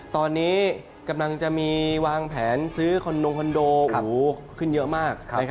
ตอนนี้กำลังจะมีวางแผนซื้อคอนโดงคอนโดขึ้นเยอะมาก